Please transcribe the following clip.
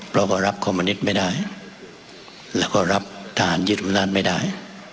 เราก็รับคอมมะนิดไม่ได้และก็รับทหารยิทธุ์ลุมนานไม่ได้